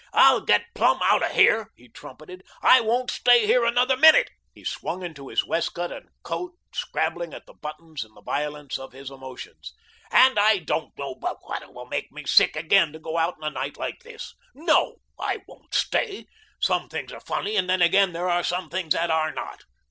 "I'll get plumb out of here," he trumpeted. "I won't stay here another minute." He swung into his waistcoat and coat, scrabbling at the buttons in the violence of his emotions. "And I don't know but what it will make me sick again to go out in a night like this. NO, I won't stay. Some things are funny, and then, again, there are some things that are not.